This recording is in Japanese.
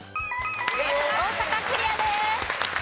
大阪クリアです。